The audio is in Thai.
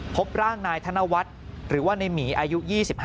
พบร่างนายธนวัฒน์หรือว่าในหมีอายุ๒๕